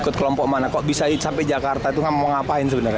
dari jakarta itu mau ngapain sebenarnya